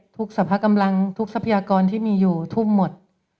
สรรพกำลังทุกทรัพยากรที่มีอยู่ทุ่มหมด